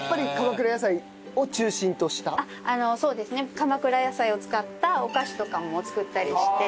鎌倉野菜を使ったお菓子とかも作ったりして。